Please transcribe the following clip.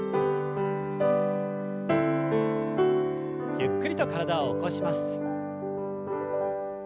ゆっくりと体を起こします。